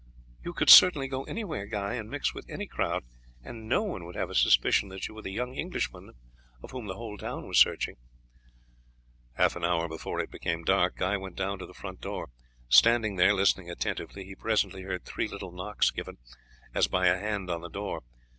"You could certainly go anywhere, Guy, and mix with any crowd, and no one would have a suspicion that you were the young Englishman for whom the whole town was searching." Half an hour before it became dark, Guy went down to the front door. Standing there listening attentively, he presently heard three little knocks given, as by a hand on the door.